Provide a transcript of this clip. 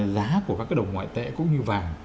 giá của các đồng ngoại tệ cũng như vàng